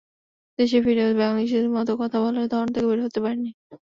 দেশে ফিরেও বাংলাদেশিদের মতো কথা বলার ধরন থেকে বের হতে পারেননি।